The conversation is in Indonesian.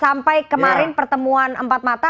sampai kemarin pertemuan empat mata